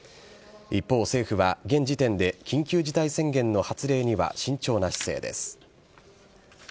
一方、政府は現時点で緊急事態宣言の発令には慎重な姿勢です。